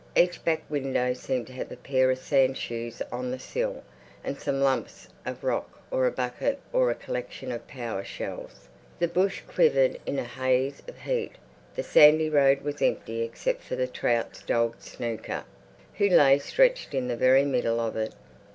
Each back window seemed to have a pair of sand shoes on the sill and some lumps of rock or a bucket or a collection of pawa shells. The bush quivered in a haze of heat; the sandy road was empty except for the Trouts' dog Snooker, who lay stretched in the very middle of it.